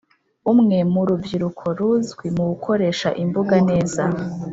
Umwe mu rubyiruko ruzwi mu gukoresha imbuga neza